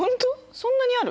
そんなにある？